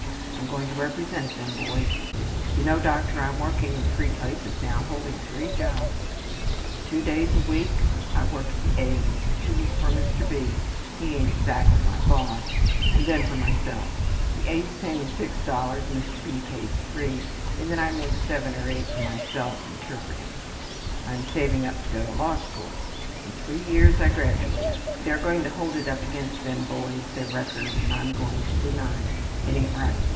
I'm going to represent them boys. You know, doctor, I'm working in three places now holding three jobs. Two days in the week I work for the A's, two for Mr. B. he ain't exactly my boss and then for myself. The A's pay me $6, Mr. B. pays $3, and then I make $7 or $8 myself interpreting. I'm saving it up to go to law school. In three years I graduate. They are going to hold it up against them boys, their records, and I am going to deny it. It ain't right.